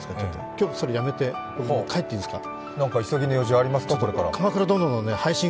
今日それやめて帰っていいですか。